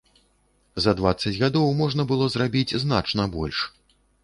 За дваццаць гадоў можна было зрабіць значна больш.